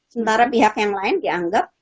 sementara pihak yang lain dianggap